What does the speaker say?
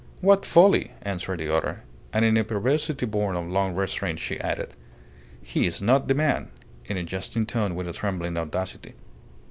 "What folly!" answered the other, and in a perversity born of long restraint, she added: "He is not the man," in a jesting tone with a trembling audacity.